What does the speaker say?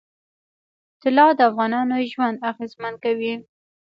طلا د افغانانو ژوند اغېزمن کوي.